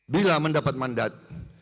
bila mendapat mandat